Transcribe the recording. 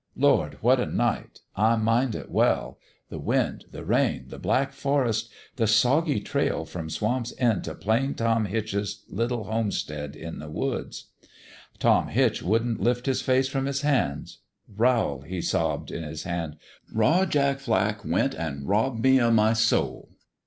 Lord ! what a night. I mind it well : the wind the rain the black forest the soggy trail from Swamp's End t' Plain Tom Hitch's lit tle homestead in the woods. What HAPPENED to TOM HITCH 229 "Tom Hitch wouldn't lift his face from his hands. ' Rowl/ he sobbed, in his hand, * Raw Jack Flack went an' robbed me of my soul.'